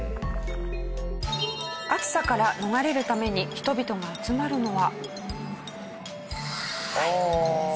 暑さから逃れるために人々が集まるのは。